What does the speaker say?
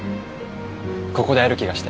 ここで会える気がして。